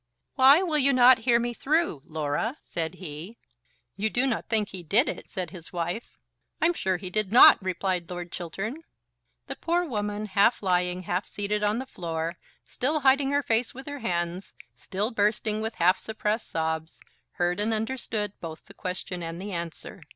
"Why will you not hear me through, Laura?" said he. "You do not think he did it?" said his wife. "I'm sure he did not," replied Lord Chiltern. The poor woman, half lying, half seated, on the floor, still hiding her face with her hands, still bursting with half suppressed sobs, heard and understood both the question and the answer.